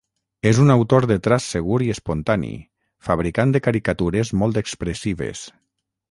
És un autor de traç segur i espontani, fabricant de caricatures molt expressives.